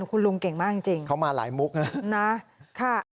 คุณลุงเก่งมากจริงเขามาหลายมุกนะ